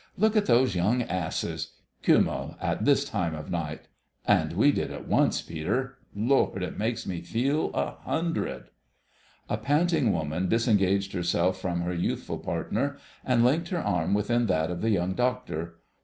Look at those young asses.... Kümmel at this time of night.... And we did it once, Peter! Lord! it makes me feel a hundred." A panting woman disengaged herself from her youthful partner, and linked her arm within that of the Young Doctor.